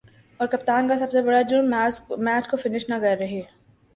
اور کپتان کا سب سے بڑا"جرم" میچ کو فنش نہ کر ہے